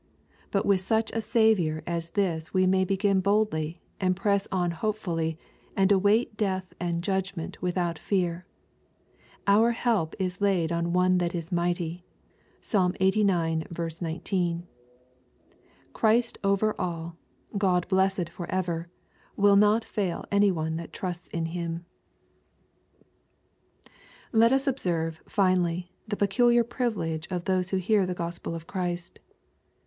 But with such a Saviour as this we may begin boldly, and press on hopefully, and await death and judgment without fear. Our help is laid on one that is mighty. (Psalm Lsxxix. 19.) Christ over ail, God blessed forever, will not fail any one that trusts in Him. Let us gbserve, finally, the peculiar privileges of those who hear the Gyspel of Christ.